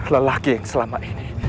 lelaki yang selama ini